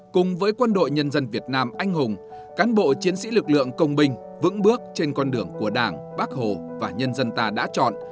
cùng với quân đội nhân dân việt nam anh hùng cán bộ chiến sĩ lực lượng công binh vững bước trên con đường của đảng bác hồ và nhân dân ta đã chọn